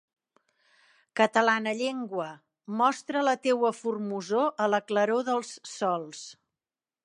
Catalana llengua, mostra la teua formosor a la claror dels sols!